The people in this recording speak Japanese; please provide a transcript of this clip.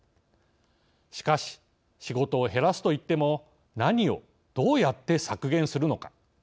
しかし仕事を減らすといっても何をどうやって削減するのか。